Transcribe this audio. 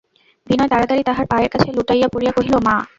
বিনয় তাড়াতাড়ি তাঁহার পায়ের কাছে লুটাইয়া পড়িয়া কহিল, মা!